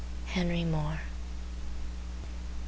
Henry More.